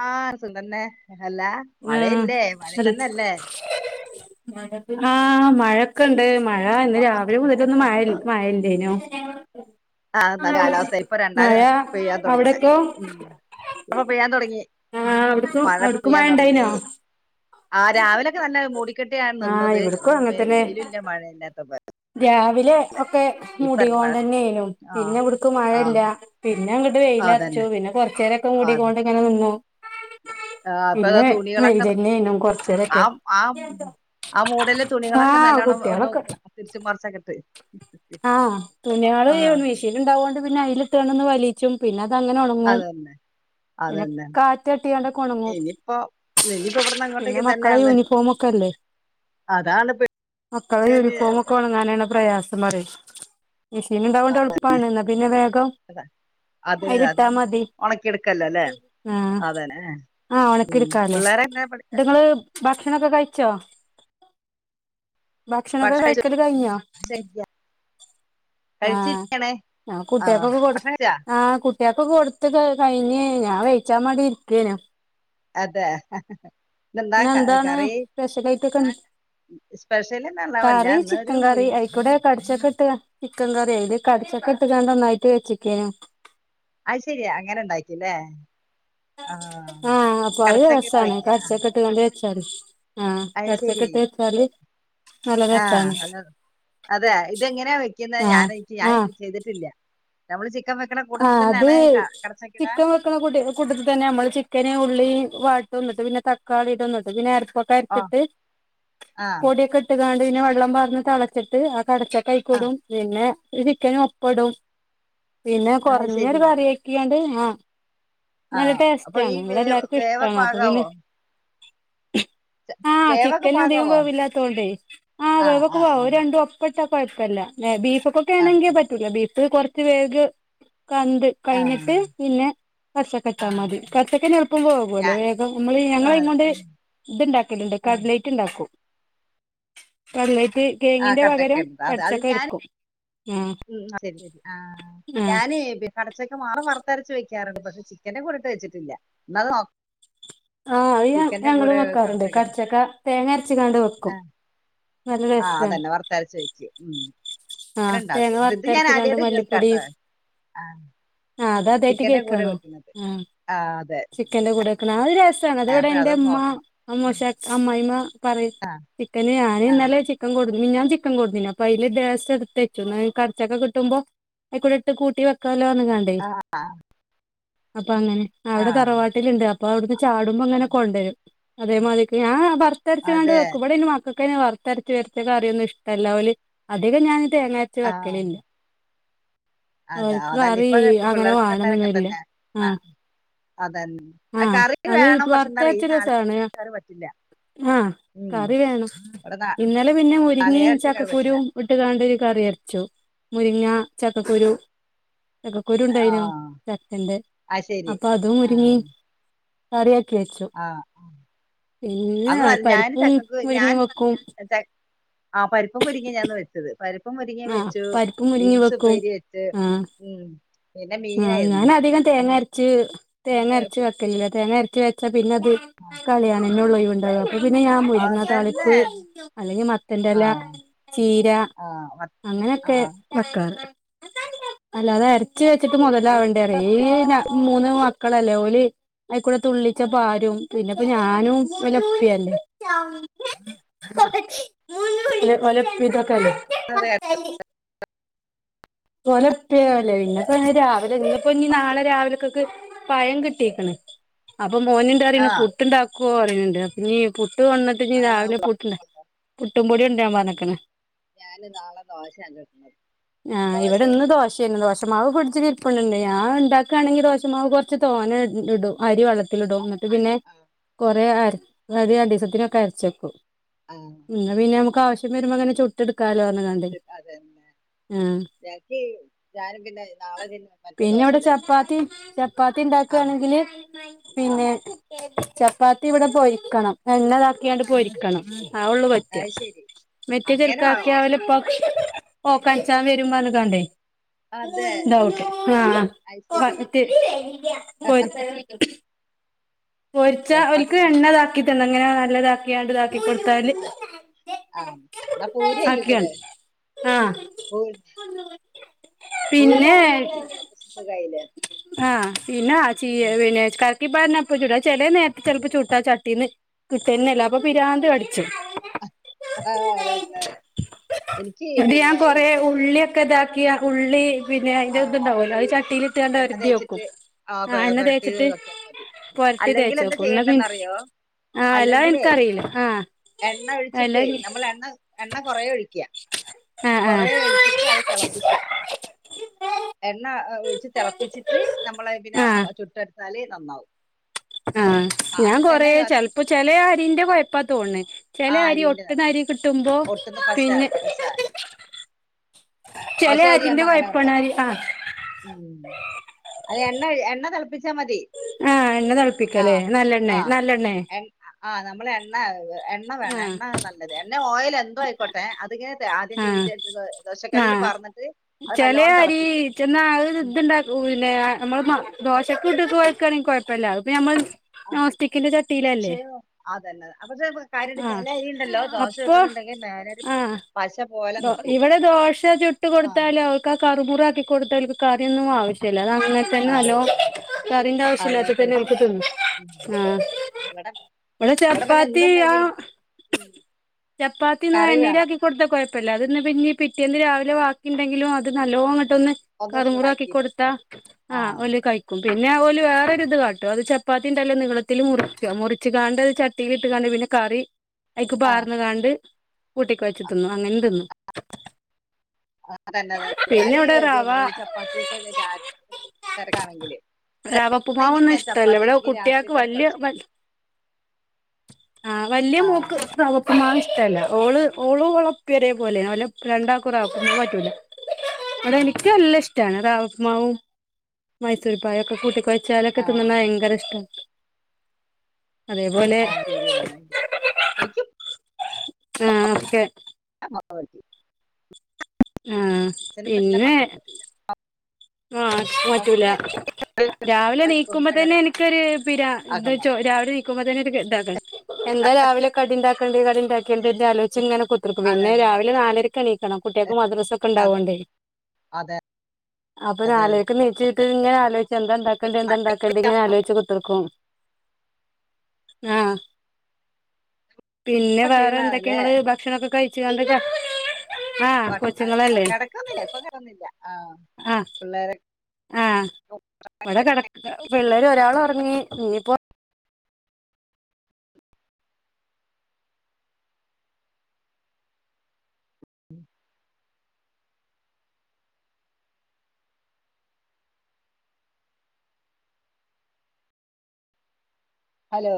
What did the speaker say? ആഹ് സുഖന്നെ അല്ലെ മഴയില്ലേ മഴ തന്നെല്ലേ [unintelligible] ആ മഴ ഒക്ക ഇണ്ട് മഴ ഇന്ന് രാവിലെ മുതലൊന്നും മാഴ ഇല്ലേനോ ആഹ നല്ല കാലാവസ്ഥ ഇപ്പൊ രണ്ടാമത് പെഴ്യാൻ തുടങ്ങി ഇബടെ അവിടക്കോ മഴ പെയ്യാൻ തുടങ്ങി ആഹ് അവിടക്കും മഴ അവിടക്കും പെയ്യാൻ ഇണ്ടായിനോ തുടങ്ങി ആ രാവിലൊക്കെ നല്ല മൂടിക്കെട്ടിയാണ് ആഹ് നിന്നത്. ഇവിടക്കും അങ്ങനെ തന്നെ വെലുംല്ല മഴയില്ലാത്ത പോ രാവിലെ ഒക്കെ മുടിക മഴ കൊണ്ട തന്നെ യ്തു ആഹ് പിന്നെ ഇവിടക്ക് ആഹ് മഴയില്ല. പിന്നെ അങ്ങോട്ട് വെയില അറച്ചു അതന്നെ പിന്നെ കൊറച്ചേരൊക്കെ കൂടിക്കോണ്ട് ഇങ്ങനെ നിന്നു ആഹ് അപ്പൊ പിന്നെ തുണികളൊക്കെ വെയിലന്നെനു കൊറച്ചേരൊക്കെ ആം ആം ആ മൂടല്ല തുണികളൊക്കെ ആഹ് നല്ലവോണം ഒന്ന് കുട്ടികളൊക്കെ തിരിച്ചും മാർച്ചക്കെ ഇട്ടു ആഹ് തുണിയാള് മെഷീൽ ഉണ്ടാവുകൊണ്ട് പിന്നെ അയിൽ എത്തണന്ന് വലിച്ചും പിന്നെ അത് അങ്ങനെ ഒണ അത തന്നെ അതന്നെ കാറ്റട്ടിയാണ്ടൊക്കെ ഒണങ്ങും ഇനിയിപ്പോ ഇനിപ്പോ ഇവിടന്ന് അങ്ങോട്ടേക്ക തന്നെയാണ്. കല്ലെ അതാണ് മക്കളെ ക്കല് യൂണിഫോം മക്കെ വള്ള ഒണങ്ങാനെള്ള പ്രയാസം പറ മെഷീൻ ഇണ്ടാവോണ്ട് എളുപ്പാണ്. എന്നാ പിന്നെ വേഗം ഒണങ്ങും. അതിനെ അത് ഉണക്കിെടുക്കല്ലോല്ലേ ആഹ് അതനെ ഏഹ് ആഹ് ഉണക്കി എടുക്കാലോ നിങ്ങള്. ഭക്ഷണൊക്കെ കഴിച്ചോ? ഭക്ഷണൊക്കെ ഭക്ഷണം കഴിച്ചോ? കഴിച്ചു [unintelligible] കഴിഞ്ഞോ കഴിച്ചിരിക്കണേ ആഹ് ആ കുട്ടികക്കൊക്കെ കൊടു ഭക്ഷണം കഴിച്ചാ ആഹ് കുട്ടിയൊക്കെ കൊടുത്ത് കഴിഞ്ഞഞ് ഞാൻ കഴിച്ചാ മണ്ടി ഇരിക്കേനു അതെ എന്താ ഇന്നെന്താണ് കറി സ്പെഷ്യലായിട്ടൊക്കെ സ്പെഷ്യല്ന്നർ കറി ഞാവലാന്ന്. ചിക്കൻ കറി അയിക്കൂടെ കടിച്ചൊക്കെ ഇട്ടുക ചിക്കൻ കറി അതില് കടിച്ചൊക്കെ ഇട്ട കാണ്ട് ഒന്നായിട്ട് വെച്ചക്കേനു. അത്ശരിയാ അങ്ങനെ ഉണ്ടാക്കില്ലേ ആഹ് കടച്ചക്കെഇട്ട് വെക്ക ആഹ് ഇട്ട് ങ്ങാണ്ട് വച്ചാല് ആഹ് കടിച്ചക്കെ ശരി ഇട്ട് വെച്ചാല് നല്ല ആ രസാണ്. അല്ല അതെ ഇതെങ്ങനെയാാണ് വെക്കുന്നത് ആഹ് ഞാൻനിക്ക് ഞാൻ ആഹ് ചെയ്തിട്ടില്ല നമ്മള് ചിക്കൻ വെക്കുന്ന കൂട്ടത്തിൽ തന്നെയാാണ് കടച്ചക്കിട കുട്ടത്തിൽ തന്നെ നമ്മള് ചിക്കന് ഉള്ളി വാട്ട് വന്നിട്ട് പിന്നെ തക്കാളി ഇടന്നിട്ട് പിന്നെ ഓ രച്ചിട്ട് ആ പൊടിയൊക്കെ ഇട്ടാണ്ട് പിന്നെ വെള്ളം പാർന്ന് തള ച്ചിട്ട് ആ ആ കടച്ചകൈക്ക്ടും പിന്നെ ചിക്കനും ഒപ്പടും പിന്നെ അത് കുറഞ്ഞൊരു ശരി കറിയക്കിയണ്ട് ആഹ് ആ നല്ല അപ്പൊ ടേസ്റ്റ് ഈ ആാണ് ഇവിടെ വേവ് എല്ലാർക്കും വേവൊക്കെ ഇഷ്ടമാണ് അപ്പൊ പിന്നെ പാകാവോ ആഹ് വേവൊക്കെ ചിക്കന് അധികം പാകാവോ വേവില്ലാത്തോണ്ടേ ആ വേവൊക്കെ ആ പോവാ ആ രണ്ടും ഒപ്പം പ്പട്ട കുഴപ്പല്ല ആ ബീഫ്ക്കെക്കേണമെങ്കിൽ പറ്റൂല ബീഫ് കുറച്ച് വേഗ് കണ്ട് ആഹ് കഴിഞ്ഞിട്ട് പിന്നെ കട്ച്ചക്കട്ടാ ആഹ് മതി ആഹ് കട്ച്ചക്കെളുപ്പം വേകുമല്ലോ ഞാൻ വേഗം നമ്മള് ഞങ്ങളെ ആഹ് ഇങ്ങോണ്ട് ഇത്ണ്ടാക്കലുണ്ട് ആഹ് കടലേറ്റ് ഉണ്ടാക്കും കടലേറ്റ് ആഹ് കേങ്ങിന്റെ പകരം കടച്ചക്കയുണ്ട് കടിച്ചൊക്കെ എടുക്കും ആഹ് ഉം അതെ ആഹ് ഞാന് കടച്ചൊക്കെ മാറു വറത്തരച്ച് വെക്കും റണ്ട് പക്ഷെ ചിക്കൻ്റെ കൂടെയിട്ട് വെച്ചിട്ടില്ല ന്ന് അത് നോ ആഹ് അത് ഞങ്ങളും വെക്കാറുണ്ട് കടച്ചക്ക ഇട്ടിട്ട് കട്ച്ചക്ക തേങ്ങ അരച്ച് കാണ്ട് വെക്കും ആഹ് നല്ല ആഹ് ടേസ്റ്റാണ് അതന്നെ വറത്തരച്ച് വെക്കും ഉം അങ്ങനെ ആഹ് തേങ്ങ ഇണ്ടാക്കും ഇത് ഞാൻ വറുത്തരച്ച്കാണ്ട് ആദ്യായിട്ട് കേൾക്കാ മല്ലിപ്പൊടി ട്ടൊ ആഹ് ആഹ് അത് അതായിട്ട് ചിക്കന്റെ കൂടെ വെക്കുന്നത് ആ അതെ ചിക്കന്റെറെ കൂടെ വക്കണത് അ ഒരു രസമാണ് അത് ഇവിടെ അപ്പൊ എന്റെ അതൊന്ന് അമ്മ നോക്കണം അമ്മോശ അമ്മായിമ്മ പറയും ആഹ് ചിക്കന് ഞാന്ന്നലെ ചി ക്കൻ കൊടുന്നു മിഞ്ഞാന്ന് ചിക്കൻ കൊടുന്നീനു അപ്പൊ അയില് ലേസട്ത്ത്ച്ചു കടച്ചക്കെ കിട്ടുമ്പോ. അക്കൂടെട്ട് കൂട്ടി വെക്കല്ലോറഞ്ങ്ങണ്ടേയ്. ആഹ് അപ്പൊ അങ്ങനെ അവിടെ തറവാട്ടിലുണ്ട് അപ്പൊ അവിടു ചാടുമ്പോ അങ്ങനെ കൊണ്ടുവരും അതേമാതിരി ഞൻ വർത്തരച്ച് കാണ്ട് അതെ വെക്കും ഇവിടെ മക്കക്കെെന് വറുത്തരച്ച് വച്ച കറിയൊന്നും ഇഷ്ടമല്ല അധികം ഞാൻ തേങ്ങരച്ച് ആഹ് വെക്കലില്ല അതാ അവർക്ക് അതല്ല കറി ഇപ്പൊത്തെ അങ്ങനെ പിള്ളേർക്കങ്ങനെ വേണന്നൊന്നുല്ല തന്നെ ആഹ് അതന്നെ ആ ആഹ് കറി അത് വേണം പക്ഷെ എന്താ [unintelligible] ഈ വറുത്തരച്ച രസാണ് നാളെ പറ്റില്ല ആഹ് ഉം കറി വേണം ഇവിടെ നാ ഇന്നലെ പിന്നെ മുരിങ്ങിം മലയാളച്ചക്കാർ പറ്റില്ല ചക്കക്കുരുവും ഇട്ട് കാണ്ട് ഒരു കറി അരച്ചു മുരിങ്ങ ചക്കക്കുരു ചക്കക്കൂരുണ്ടായിനു ആഹ് ചക്ക ൻ്റെ അത് ശരി അപ്പൊ അതും ആഹ് മുരുങ്ങിം കറിയാക്കി വച്ചു. ആഹ് പിന്നെ അത് നല്ല- ഞാൻ പരിപ്പും ചക്കക്ക് മുരിങ്ങിം വെക്കും ആഹ് പരിപ്പും മുരിങ്ങിം ഞാന്ന് വെച്ചത് പരിപ്പും മുരിങ്ങിം ആഹ് വെച്ചു പരിപ്പും മുരിങ്ങയും ബീൻസ് വെക്കും ഉപ്പേരി വെച്ച്. ആഹ് ഉം പിന്നെ ആഹ് മീനായിരുന്നു ഞാൻ അധികം തേങ്ങരച്ച് തേങ്ങരച്ച് ല്ല തേങ്ങ അരച്ച് വെച്ചാ പിന്നെ അത് കളിയാന്നെന്നൊള്ളുയിവുണ്ടാവ പിന്നെ ഞാൻ അതന്നെ മുരുങ്ങാതാളിപ്പ് അല്ലെങ്കിൽ മത്തന്റെഎല ആഹ് ചീര ആഹ് അങ്ങനെയൊക്കെ വക്കാറ് അല്ലാതെ അരച്ച് വെച്ചിട്ട് മുതലാവണ്ടേ റേ റേന മൂന്ന് മക്കളല്ലേ ഓല് അയിക്കൂടെ തുള്ളിച്ച പാരും പിന്നെപ്പ ഞാനും വലപ്പിയല്ലേ. ഓലപ്പിതൊക്കല്ലെ? അതെ ഓലപ്പി അല്ലേ പിന്നെ രാവിലെ ഇന്ന് ഇനി നാളെ രാവിലെക്കൊക് പയം കിട്ടീക്കണ്. അപ്പൊ മോനണ്ടറീണു ആഹ് പുട്ട്ണ്ടാക്കുവോ റീണ് ണ്ട് അപ്പൊന്നീ പുട്ട് പുട്ട് രാവിലെ ആഹ് പുട്ട്ണ്ട് പുട്ടും പൊടി കൊണ്ടരാൻ പറഞ്ഞക്കണ് ഞാന് നാളെ ദോശയാണ് ചുട്ണത് ആ ഇവിടെ ദോഷയും ഇന്ന് ദോശേന്നു ദോശമാവ് ഫ്രഡ്ജിൽ ഇരിപ്പുണ്ട് ഞാൻ ഉം, ഉണ്ടാക്കുകയാണെങ്കിൽ ദോശമാവ് കൊറച്ച് തോനെ ഇടും അരി വള്ള ആ, [unintelligible] ന്നിട്ട് പിന്നെ അരി ആഹ് കൊറെ അര ആഹ് ഒരു രണ്ടീസത്തിനൊക്കെ അരച്ചെക്കും. ആഹ് ന്നാ പിന്നെ നമുക്ക് ആവശ്യം വരുമ്പോ ങ്ങനെ ചുട്ട്ട്ക്കാലോന്ന് പറ്ഞ്ങ്ങാൻണ്ട്. ഞാങ്‌കെ [unintelligible] യ് ഞാനും പിന്നെ നാളെ ന്ന പിന്നെ ഇവിടെ ചപ്പാത്തിമം ചപ്പാത്തി ആഹ് ണ്ടാക്കണെങ്കില് പിന്നെ ആഹ് ചപ്പാത്തി ഇവിടെ പൊരിക്കണം, എണ്ണതാക്കിയാണ്ട് പൊരിക്കണം ആ ഉള്ളു പ റ്റ അത് ശരി മെറ്റെ അങ്ങനെ ചെൽക്കാക്കിയാ ആണോ ഒലെ ഇപ്പാക്ക് ഓക്കാൻച്ചാൻ വെരും അറിഞ്ക്കാണ്ടേ. അതെ ഇതാ ഓക്കെ ആഹ് അയ്ശരി [inaudible] പ പോ പൊരിച്ചാ.... ചപ്പാത്തി ഒൽക് ന്ന്- എണ്ണതാക്കിട്ട് ങ്ങനെ നല്ലതാക്കിയാണ്ട് ഇതാക്കി കൊടുത്താല് ആഹ് ന്നാ പൂരിയാക്കിക്കൂടെ ആക്കിയാണ് ആഹ് പിന്നെ പൂരിയാണെങ്കിൽ പിന്നെ സുഖായിലെ? ആഹ് പിന്ന ചി പിന്നെ ൽക്കി പാരണപ്പ ചൂടാ അത്‌ ചെലെ നേരത്തെ ചിലപ്പോ ചൂട്ടാ ചട്ടീന്ന് കിട്ടന്നല്ല. അപ്പൊ പിരാന്തടിച്ചും. ആഹ് അതന്നെ. എനിക്ക് പിന്നെ [unintelligible] താക്കിയ ഉള്ളി പിന്നെ ആ അതിന്റെ ഒര് ഇതുണ്ടാവുലോ ആ ഉൾ- ചട്ടിൽ ഇട്ടണ്ട് എണ്ണ ഒരതിനോക്കും തേച്ചിട്ട് ആ പെ- എണ്ണ പുരട്ടി തേച്ചിട്ട് വെക്കാൻ മതി പൊരട്ടി അല്ലെങ്കിൽ എന്താ തേച്ചോക്കും ന്നാ പി ചെയ്യേണ്ടെന്നറിയോ ആഹ് അല്ലാ അല്ലെങ്കിലേ ഇന്ക്കറില്ല ആഹ് എണ്ണ ഒഴിച്ചിട്ട് എല്ലാം നമ്മൾ എണ്ണ എണ്ണ കൊറേ ഒഴിക്ക കൊറേ ഒഴിച്ചിട്ട് അത് തെളപ്പിക്കാ എണ്ണ ഒഴിച്ച് തെളപ്പിച്ചിട്ട് നമ്മള്ള് അത് ആഹ് പിന്നെ ചുട്ടെടുത്താല് നന്നാവും.. ആഹ് ആ, ഞാൻ ആദ്യം തന്നെ കൊറെ ദോശ ചെലപ്പോ ചെല അരിന്റെ കുഴപ്പാ തോണ്ണ്... ആ ചേലെ അരി അരിന്റെ ഒട്ട്ന്ന നനയ്ക്കും, അരി കിട്ടുമ്പോ ഒട്ടുന്ന പശ പിന്നെ പശ ചെല പശ അരിന്റെ അരിയാവുമ്പോ കൊഴപ്പാണ് അങ്ങനെക്കെണ്ടാവും. അരി ആഹ് ഉമം അല്ല എണ്ണ എണ്ണ തളപ്പിച്ചാ മതി ആഹ് എണ്ണ തിളപ്പിക്കല്ലേ? ആഹ് നല്ലണ്ണേ ആഹ് നല്ലെണ്ണെ എ ആഹ് നമ്മളെ എണ്ണ എണ്ണ വേണം ആഹ് എണ്ണ നല്ലത് എണ്ണേ ഓയിലൊ എന്തോ ആയിക്കോട്ടെ ത്ങ്ങനെ ആദ്യം ആഹ് ചെഞ്ച ദോശക്കല്ലിൽ പാർന്നിട്ട് അത് നല്ലോണ്ണം തിളപ്പിക്ക ച്ന്ന ആ ഉം ഇത്ണ്ട പിന്നെ നമ്മള് ദോശൊക് ഇട്ട കൊഴക്കുണെങ്കിൽ കുഴപ്പല്ല അതിപ്പം നഞമ്മള് ആ ഷായോ ആതന്നെ അപ്പൊ തന്നെ.. ആഹ് അപ്പൊ മേലെ ഒരു ആഹ് പശ പോലെ നിക്കും ഇവിടെ ദോശ ചു.. ചുട്ട് ആഹ് കൊടുത്താൽ അവർക്ക് ആ കറുമുറു ആക്കി കൊടുത്താൽ ഓൾക് കറിയൊന്നും ആവശ്യമില്ല അത അങ്ങനെ... തന്നെ ആഹ് നാല്ലോം കറിന്റെ ആവിശ്യാം അതെ ഇല്ലാതെ തന്നെ നമുക്ക് കഴിച്ചോളും തിന്നാം ഉം ആ.. ഇവിടെ ഇവടെ ഇവിടെ പിന്നെ ചപ്പാത്തി ആ എന്തുണ്ടെങ്കിലും ഉം ചപ്പാത്തി ന്നാ കറി വേണം എണ്ണിലാക്കി.. ചുട്ട് കൊടുത്താൽ കുഴപ്പല്ലാ അതന്ന് പിന്നെ പിറ്റേന്ന് രാവിലെ വാക്കിണ്ടെങ്കിലും അത് നല്ലോം അങ്ങോട്ടൊ ഒന്ന്.. കറ്മൂറു ആക്കി ചൂടാക്കിട്ട് എടുത്താൽ കൊടുത്താ മതി ആഹ് ഒല് കഴിക്ക.. ക്കും പിന്നെ ഓല്ല് വേറെ ഒരുരിത് കാട്ടും അത് ചപ്പാത്തിണ്ടല്ലോ നീളത്തിൽ മുറിക്കാ മുറച്ച് കാണ്ട് ചട്ടിൽ ഇട്ട് കാണ്ട് പിന്നെ.. കറി അയ്ക്ക് ആഹ് പാർന്ന് കാൻണ്ട് കൂട്ടി കൊയ്ച്ച് തിന്നും അങ്ങനെ തിന്നും.. ആ തന്നെ തന്നെ പിന്നെ ഞാന് ഇവിടെ റവ പിന്നെ ഈ ചപ്പാത്തിക്ക് ന്നെ.. തിരക്കാണെങ്കിൽ റവ തിരക്കാണെങ്കിൽ ഉപ്പുമാവൊന്നും ഞാൻ ഇഷ്ടല്ല ഇവിടെ ചപ്പാത്തിക്ക് രാത്രി കുട്ട്യാക്ക് തന്നെ കുഴച്ച് വല്യ വെക്കും.. ആഹ് വല്യ മോൾക്ക്. [unintelligible] ഉപ്പ് മാവ് ഇഷ്ടല്ല. ഓളും ഓളെ ഇപ്പിം ഒരെ പോലെ രണ്ടാക്കും റവപ്പ്മാവ് പറ്റൂല.. ഇവിടെ ആ എനിക്ക് എല്ലം ഇഷ്ടാണ് റാവപ്പ്മാവും.. മൈസൂർ പായൊക്കെ കൂട്ടികൊയ- ച്ചാലൊക്കെ ആ തിന്നണത് ഭയങ്കര ഇഷ്ടം.. ആഹ് ശരിയാണ് എനിക്.. ആഹ് ഓക്കെ.. [unintelligible] മം ച്ഛനും പറ്റില്ല മക്കക്കും പറ്റില്ല. ആഹ് മാറ്റൂല. പിന്നെ രാവിലെ ഞങ്ങള് നീക്കുമ്പോ കുടുംബത്തെ തന്നെ കറി എനിക്കരു പിരാ അകന്ന ന്താച്ചോ രാവിലെ നീക്കുമ്പോ തന്നെ ഒരു ഇതണ് എന്താ രാവിലെ കടി ഉണ്ടാക്കേണ്ടെ കടി ഉണ്ടാക്കേണ്ടെ ആലോയ്ച്ച് ഇങ്ങനെ ക്കുത്തിർക്കും പിന്നെ അതന്നെ രാവിലെ നാലര ക്കെണിക്കണ്ണം കുട്ടിൾക്ക് മദ്രസൊക്കെ അതെ ഉണ്ടാവോണ്ട്. അതെ അതെ അപ്പൊനാലരക്ക് നീച്ചിട്ട് ഇങ്ങന ക ആലോയ്ച്ച് എന്താണ്ടാക്കേണ്ടി മഴ എന്താണ്ടാക്കണ്ടി ഇങ്ങനെ ആലോയ്ച്ച് ക്കുത്തർക്കും. ആഹ് പിന്നെ വേറെ എന്തൊക്കെ ക്ഷീണാണല്ലേ ങ്ങള് ഭക്ഷണൊക്കെ കഴിച്ചുകാണ്ട് കെ ആഹ് ഭക്ഷണം അഹ് കൊച്ചുങ്ങളല്ലേ കിടക്കന്നില്ല ഇപ്പൊ കെടന്നില്ല ആഹ് ആഹ് പിള്ളേരെ ആഹ് ഇവിടെ കിട പിള്ളേര് ഒരാൾ ഒറങ്ങി ഇനീയിപ്പോ ഹലോ